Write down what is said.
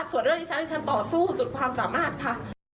ส่วนเรื่องที่ฉันต่อสู้สุดความสามารถค่ะ